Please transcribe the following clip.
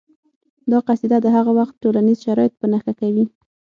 دا قصیده د هغه وخت ټولنیز شرایط په نښه کوي